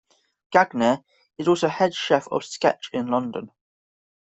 Gagnaire is also Head Chef of Sketch in London.